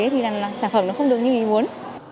thì là sản phẩm nó không được như mình muốn